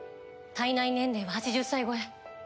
体内年齢は８０歳超え。